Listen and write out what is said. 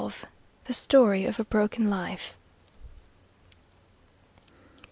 THE STORY OF A BROKEN LIFE.